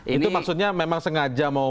itu maksudnya memang sengaja mau